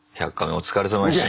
お疲れさまでした。